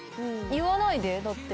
言わないでだって。